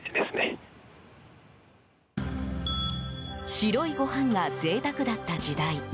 白いご飯がぜいたくだった時代